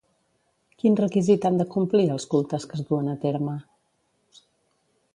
Quin requisit han de complir els cultes que es duen a terme?